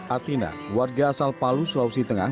atina warga asal palu sulawesi tengah